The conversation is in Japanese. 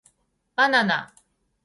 ばなな